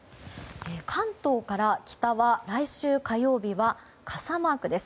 関東から北は来週火曜日は傘マークです。